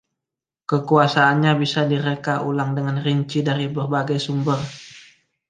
Kekuasaannya bisa di reka ulang dengan rinci dari berbagai sumber.